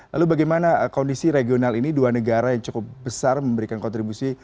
lalu bagaimana kondisi regional ini dua negara yang cukup besar memberikan kontribusi